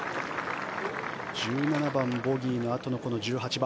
１７番、ボギーのあとの１８番。